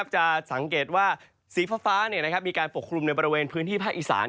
จะสังเกตว่าสีฟ้ามีการปกคลุมในบริเวณพื้นที่ภาคอีสาน